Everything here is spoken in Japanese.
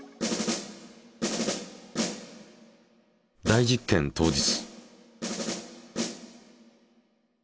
大実験当日。